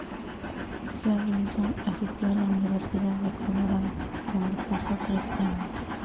Harrison asistió a la Universidad de Colorado, donde pasó tres años.